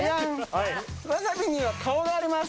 わさびには顔があります。